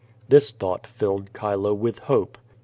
This thought filled Chilo with hope.